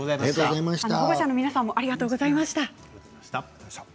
保護者の皆さんもありがとうございました。